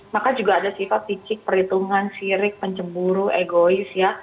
maka juga ada sifat cicik perhitungan sirik pencemburu egois ya